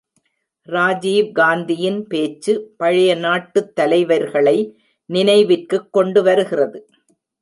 ராஜீவ் காந்தியின் பேச்சு, பழைய நாட்டுத் தலைவர்களை நினைவிற்குக் கொண்டுவருகிறது.